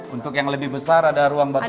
untuk yang lebih besar ada ruang batu tulis